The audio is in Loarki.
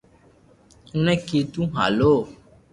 اوڻي ڪيڌو ھالو